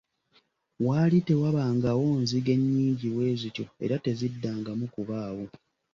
Waali tewabangawo nzige nnyingi bwezityo era teziddangamu kubaawo.